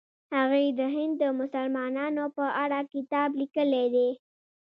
هغې د هند د مسلمانانو په اړه کتاب لیکلی دی.